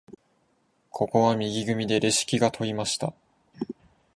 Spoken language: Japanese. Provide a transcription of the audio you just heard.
ここは右組でレシキが取りました。